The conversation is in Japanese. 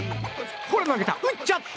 ほら投げた！